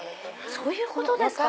そういうことですか！